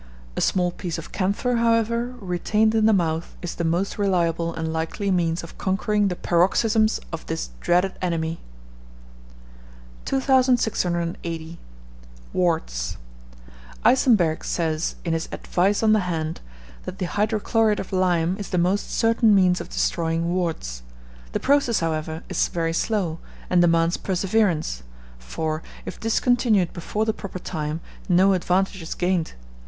A small piece of camphor, however, retained in the mouth, is the most reliable and likely means of conquering the paroxysms of this dreaded enemy. 2680. WARTS. Eisenberg says, in his "Advice on the Hand," that the hydrochlorate of lime is the most certain means of destroying warts; the process, however, is very slow, and demands perseverance, for, if discontinued before the proper time, no advantage is gained.